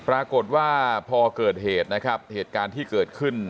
ปรากฏว่าพอเกิดเหตุนะครับเหตุการณ์ที่เกิดขึ้น